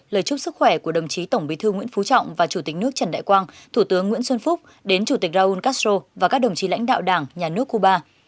lời chúc sức khỏe của đồng chí tổng bí thư nguyễn phú trọng và chủ tịch nước trần đại quang thủ tướng nguyễn xuân phúc đến chủ tịch raúl castro và các đồng chí lãnh đạo đảng nhà nước cuba